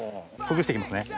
ほぐして行きますね。